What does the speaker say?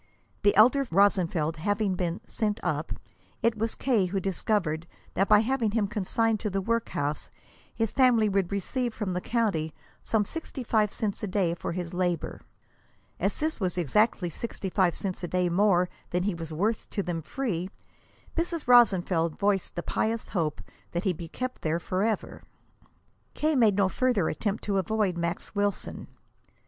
The elder Rosenfeld having been "sent up," it was K. who discovered that by having him consigned to the workhouse his family would receive from the county some sixty five cents a day for his labor. As this was exactly sixty five cents a day more than he was worth to them free, Mrs. Rosenfeld voiced the pious hope that he be kept there forever. K. made no further attempt to avoid Max Wilson.